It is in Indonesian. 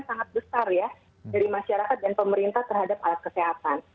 sangat besar ya dari masyarakat dan pemerintah terhadap alat kesehatan